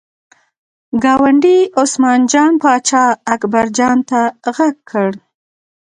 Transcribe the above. ګاونډي عثمان جان پاچا اکبر جان ته غږ کړل.